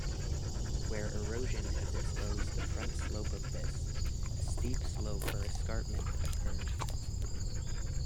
Where erosion has exposed the frontslope of this, a steep slope or escarpment occurs.